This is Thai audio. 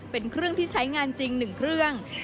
เป็นเครื่องที่ใช้งานจริง๑เครื่อง